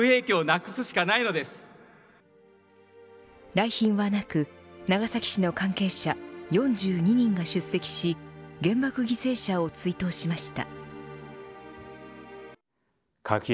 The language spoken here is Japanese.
来賓はなく長崎市の関係者４２人が出席し原爆犠牲者を追悼しました。